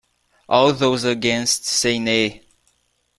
All those against, say Nay.